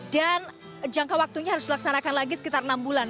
dan jangka waktunya harus dilaksanakan lagi sekitar enam bulan